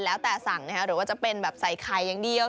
แล้วแต่สั่งนะคะหรือว่าจะเป็นแบบใส่ไข่อย่างเดียว